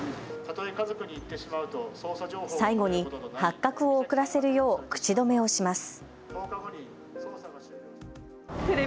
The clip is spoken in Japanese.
最後に、発覚を遅らせるよう口止めをします。